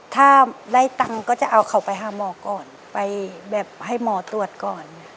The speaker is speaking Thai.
ถ้าได้ตังค์ก็จะเอาเขาไปหาหมอก่อนไปแบบให้หมอตรวจก่อน